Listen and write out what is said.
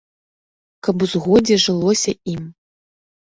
Каб у згодзе жылося ім.